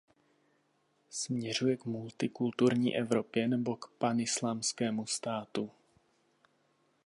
Směřuje k multikulturní Evropě nebo k panislámskému státu?